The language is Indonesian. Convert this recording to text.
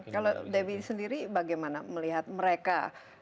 kalau debbie sendiri bagaimana melihat mereka